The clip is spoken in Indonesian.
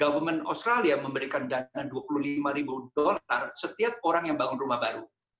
government australia memberikan dana dua puluh lima ribu dolar setiap orang yang bangun rumah baru